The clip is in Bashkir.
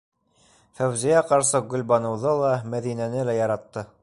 Фәүзиә ҡарсыҡ Гөлбаныуҙы ла, Мәҙинәне лә яратты!